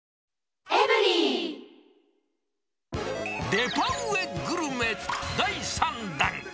デパ上グルメ第３弾。